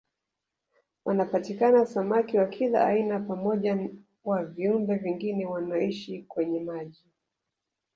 Wanapatikana samaki wa kila aina pamoja wa viumbe vingine wanaoishi kwenye maji